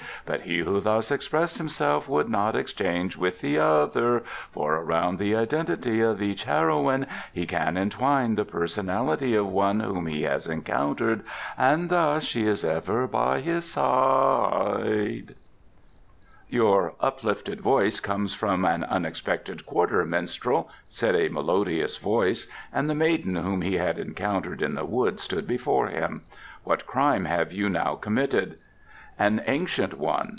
But he who thus expressed himself would not exchange with the other; For around the identity of each heroine he can entwine the personality of one whom he has encountered. And thus she is ever by his side." "Your uplifted voice comes from an unexpected quarter, minstrel," said a melodious voice, and the maiden whom he had encountered in the wood stood before him. "What crime have you now committed?" "An ancient one.